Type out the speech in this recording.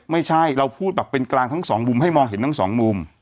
ไม่ใช่เราพูดแบบเป็นกลางทั้งสองมุมให้มองเห็นทั้งสองมุม